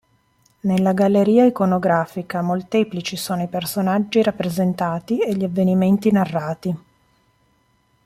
Nella galleria iconografica molteplici sono i personaggi rappresentati e gli avvenimenti narrati.